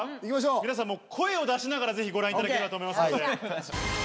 皆さんも声を出しながらぜひご覧いただければと思います。